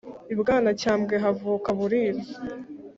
I Bwanacyambwe havuka Buriza .